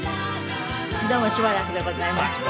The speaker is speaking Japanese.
どうもしばらくでございました。